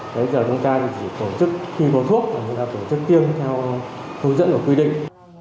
bây giờ chúng ta chỉ tổ chức khi có thuốc và người ta tổ chức tiêm theo hướng dẫn của quy định